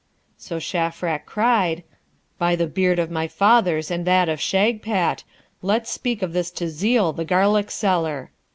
So Shafrac cried, 'By the beard of my fathers and that of Shagpat! let's speak of this to Zeel, the garlic seller.'